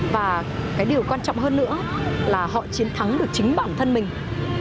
và cái điều quan trọng hơn nữa là họ chiến thắng được chính bản thân mình